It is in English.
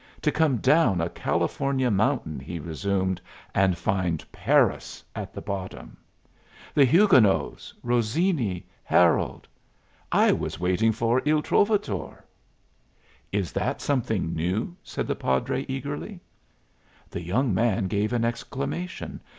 "To come down a California mountain," he resumed, "and find Paris at the bottom! 'The Huguenots,' Rossini, Herold I was waiting for 'Il Trovatore."' "Is that something new?" said the padre, eagerly. The young man gave an exclamation.